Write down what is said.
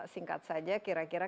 singkat saja kira kira